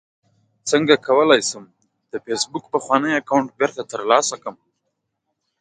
څنګه کولی شم د فېسبوک پخوانی اکاونټ بیرته ترلاسه کړم